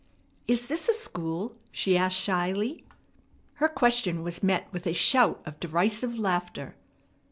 "Is this a school?" she asked shyly. Her question was met with a shout of derisive laughter.